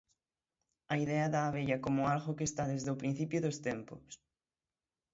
A idea da abella como algo que está desde o principio dos tempos.